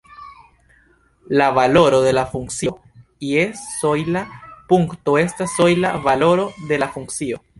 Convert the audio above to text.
La valoro de la funkcio je sojla punkto estas sojla valoro de la funkcio.